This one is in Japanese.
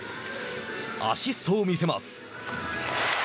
アシストを見せます。